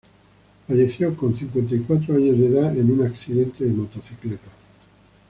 Falleció con cincuenta y cuatro años de edad en un accidente de motocicleta.